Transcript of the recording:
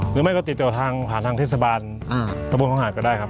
หรือไม่ก็ติดต่อทางผ่านทางเทศบาลตะบนเขาหาดก็ได้ครับ